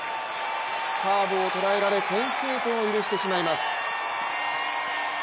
カーブを捉えられ先制点を許してしまいます。